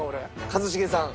一茂さん。